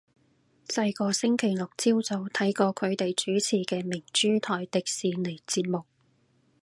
細個星期六朝早睇過佢哋主持嘅明珠台迪士尼節目